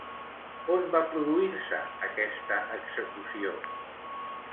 On va produir-se aquesta execució?